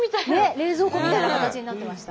冷蔵庫みたいな形になってました。